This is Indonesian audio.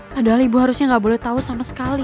padahal ibu harusnya nggak boleh tahu sama sekali